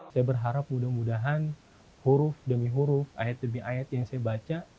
saya berharap mudah mudahan huruf demi huruf ayat demi ayat yang saya baca